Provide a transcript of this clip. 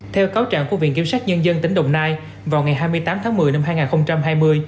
theo cáo trạng của viện kiểm sát nhân dân tỉnh đồng nai vào ngày hai mươi tám tháng một mươi năm hai nghìn hai mươi